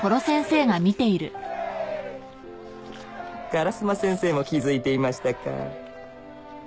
烏間先生も気づいていましたか